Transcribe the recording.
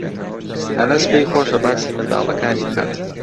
ئەنەس پێی خۆشە باسی منداڵەکانی بکات.